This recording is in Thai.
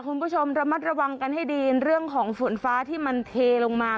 คุณผู้ชมระมัดระวังกันให้ดีเรื่องของฝนฟ้าที่มันเทลงมา